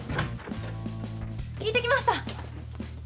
聞いてきました。